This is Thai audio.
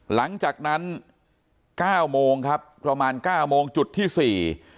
หลังจากนั้น๙โมงครับประมาณ๙โมงจุดที่๔